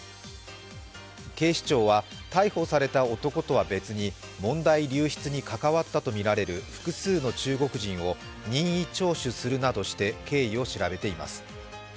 警視庁は逮捕された男とは別に問題流出に関わったとみられる複数の中国人を任意聴取するなどして経緯を調べています。